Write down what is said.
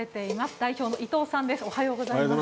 代表の伊藤さんです。